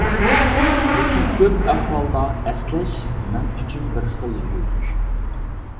لېكىن كۆپ ئەھۋالدا، ئەسلەش مەن ئۈچۈن بىر خىل يۈك.